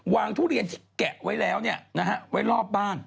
ทุเรียนที่แกะไว้แล้วไว้รอบบ้าน